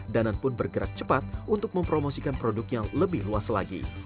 danan pun bergerak cepat untuk mempromosikan produknya lebih luas lagi